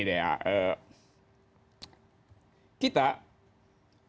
kita ada di dalam perahu